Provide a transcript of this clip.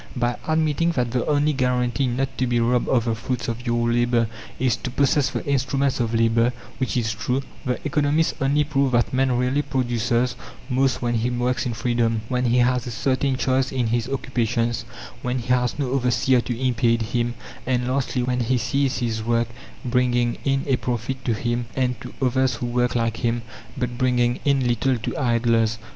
By admitting that the only guarantee not to be robbed of the fruits of your labour is to possess the instruments of labour which is true the economists only prove that man really produces most when he works in freedom, when he has a certain choice in his occupations, when he has no overseer to impede him, and lastly, when he sees his work bringing in a profit to him and to others who work like him, but bringing in little to idlers.